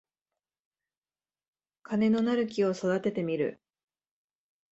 金のなる木を育ててみる